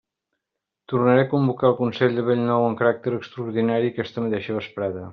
Tornaré a convocar el consell de bell nou amb caràcter extraordinari aquesta mateixa vesprada.